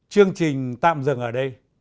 chương trình tạm dừng ở đây